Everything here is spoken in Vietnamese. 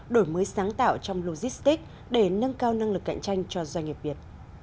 đổi mới sáng tạo trong logistics để nâng cao năng lực cạnh tranh cho doanh nghiệp việt